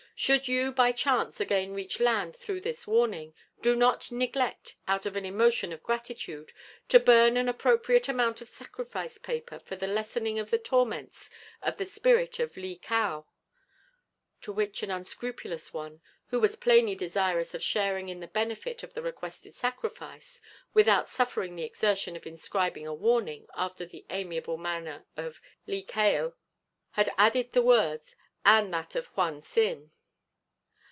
Should you, by chance, again reach land through this warning, do not neglect, out of an emotion of gratitude, to burn an appropriate amount of sacrifice paper for the lessening of the torments of the spirit of Li Kao," to which an unscrupulous one, who was plainly desirous of sharing in the benefit of the requested sacrifice, without suffering the exertion of inscribing a warning after the amiable manner of Li Kao, had added the words, "and that of Huan Sin."